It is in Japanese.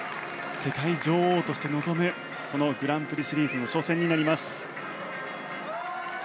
世界女王として臨むグランプリシリーズの初戦になります。